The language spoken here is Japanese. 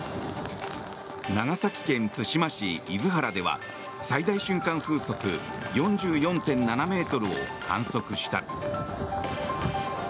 長崎県対馬市厳原では最大瞬間風速４４．７ｍを観測した。